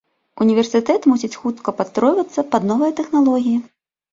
Універсітэт мусіць хутка падстройвацца пад новыя тэхналогіі.